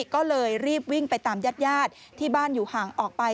ก็เลยรีบวิ่งไปตามญาติญาติที่บ้านอยู่ห่างออกไป